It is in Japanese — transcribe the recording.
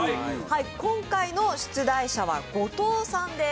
今回の出題者は後藤さんです。